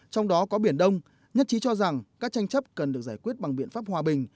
trong đó có biển đông nhất trí cho rằng các tranh chấp cần được giải quyết bằng biện pháp hòa bình